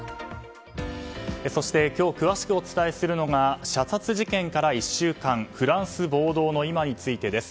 そして今日、詳しくお伝えするのが射殺事件から１週間フランス暴動の今についてです。